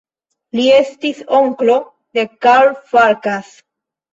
Li estis onklo de Karl Farkas.